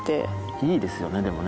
いいですよねでもね